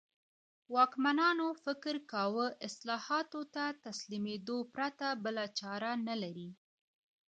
واکمنانو فکر کاوه اصلاحاتو ته تسلیمېدو پرته بله چاره نه لري.